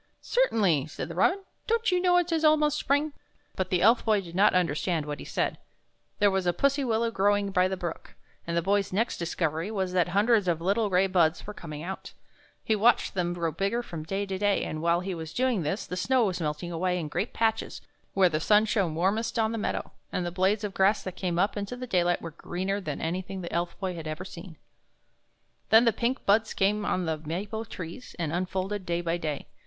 "" Certainly," said the robin, " don't you know it is almost spring?" But the Elf Boy did not understand what he said. There was a pussy willow growing by the brook, and the Boy's next discovery was that hundreds of little gray buds were coming out. He watched them grow bigger from day to day, and while he was doing this the snow was melting away in great patches where the sun shone warmest on the meadow, and the blades of grass that came up into the daylight were greener than anything the Elf Boy had ever seen. 3i THE BOY WHO DISCOVERED THE SPRING Then the pink buds came on the maple trees, and unfolded day by day.